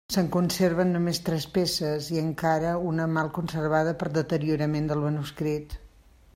Se'n conserven només tres peces, i encara una mal conservada per deteriorament del manuscrit.